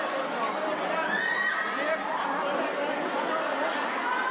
สุดท้ายสุดท้ายสุดท้าย